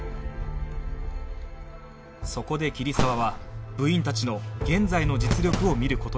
そこで桐沢は部員たちの現在の実力を見る事に